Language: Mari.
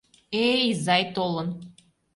Э-э, изай толын!